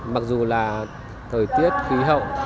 mặc dù là thời tiết khí hậu